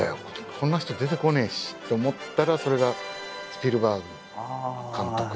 こんな人出てこねえしって思ったらそれが「スピルバーグ監督」ってなってて。